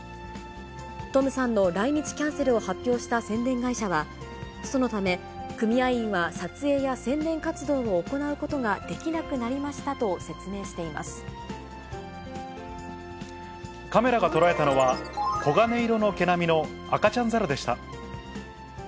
トムさんの来日キャンセルを発表した宣伝会社は、ストのため、組合員は撮影や宣伝活動を行うことができなくなりましたと説明しカメラが捉えたのは、黄金色の毛並みの赤ちゃん猿でした。